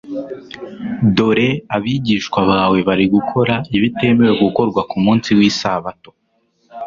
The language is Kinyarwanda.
"Dore abigishwa bawe bari gukora ibitemewe gukorwa ku munsi w'isabato.